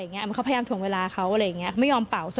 เขาพยายามถวงเวลาเขาไม่ยอมเป่า